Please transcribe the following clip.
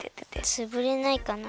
つぶれないかな？